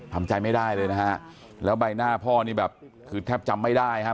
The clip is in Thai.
ทำใจไม่ได้เลยนะฮะแล้วใบหน้าพ่อนี่แบบคือแทบจำไม่ได้ครับ